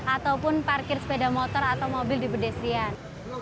ataupun parkir sepeda motor atau mobil di pedestrian